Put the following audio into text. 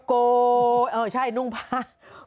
โกเออใช่นุ่งผ้า